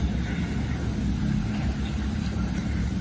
นี่นะครับ